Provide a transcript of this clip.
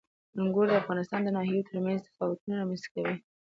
انګور د افغانستان د ناحیو ترمنځ تفاوتونه رامنځته کوي.